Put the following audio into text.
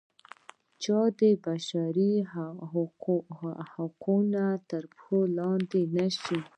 د چا بشري حقوق تر پښو لاندې نه شي.